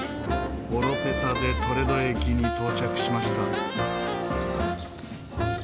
オロペサ・デ・トレド駅に到着しました。